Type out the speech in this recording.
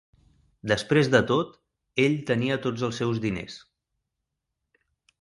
Després de tot, ell tenia tots els seus diners.